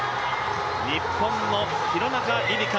日本の廣中璃梨佳